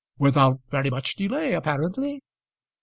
"Without very much delay, apparently?"